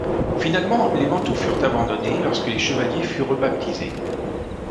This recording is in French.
Finalement, les manteaux furent abandonnés lorsque les chevaliers furent rebaptisés.